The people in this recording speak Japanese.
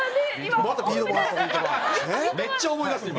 めっちゃ思い出す今。